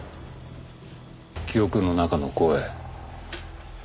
記憶の中の声。